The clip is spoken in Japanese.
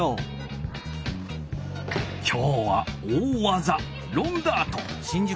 きょうは大技ロンダート！